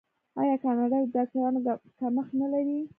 آیا کاناډا د ډاکټرانو کمښت نلري؟